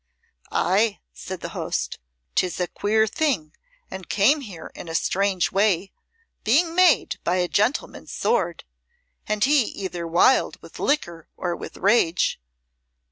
"Ay," said the host, "'tis a queer thing and came here in a strange way, being made by a gentleman's sword, and he either wild with liquor or with rage.